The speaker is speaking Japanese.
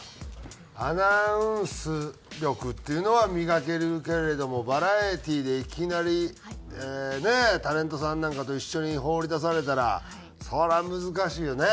アナウンス力っていうのは磨けるけれどもバラエティーでいきなりねえタレントさんなんかと一緒に放り出されたらそりゃ難しいよね。